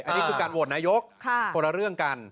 อันนี้คือการโหวตนายกคนละเรื่องกัน